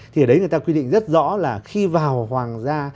thì ở đấy người ta quy định rất rõ là khi vào hoàng gia